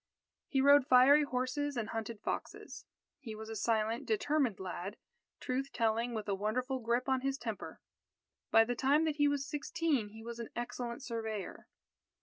He rode fiery horses and hunted foxes. He was a silent, determined lad, truth telling, with a wonderful grip on his temper. By the time that he was sixteen he was an excellent surveyor.